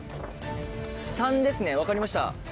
３ですね分かりました。